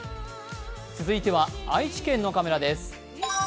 続いては、愛知県のカメラです。